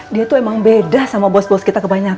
dia tuh emang beda sama bos bos kita kebanyakan